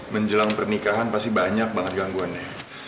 menjelang pernikahan pasti banyak banget gangguannya